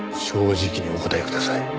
正直にお答えください。